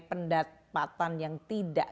pendapatan yang tidak